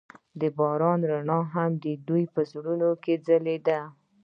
د باران رڼا هم د دوی په زړونو کې ځلېده.